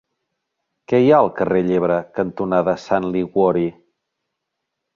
Què hi ha al carrer Llebre cantonada Sant Liguori?